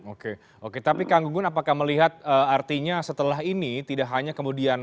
oke oke tapi kang gunggun apakah melihat artinya setelah ini tidak hanya kemudian